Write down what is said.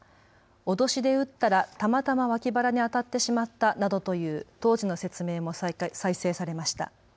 脅しで撃ったら、たまたま脇腹に当たってしまったなどという当時の説明も再生されました。